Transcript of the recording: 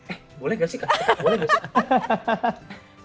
eh boleh gak sih kak